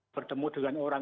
bertemu dengan orang